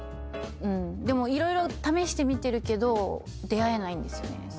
でも色々試してみてるけど出合えないんですよね。